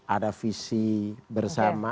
ada visi bersama